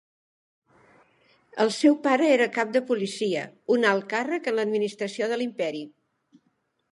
El seu pare era cap de policia, un alt càrrec en l'administració de l'Imperi.